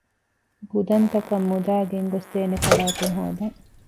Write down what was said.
ގުދަންތަކަށް މުދާ ގެންގޮސްދޭނެ ފަރާތެއް ހޯދަން